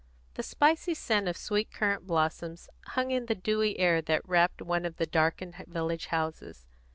The spicy scent of sweet currant blossoms hung in the dewy air that wrapped one of the darkened village houses.